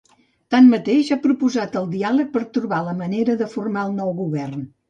Tanmateix, ha proposat el diàleg per trobar la manera de formar el nou govern.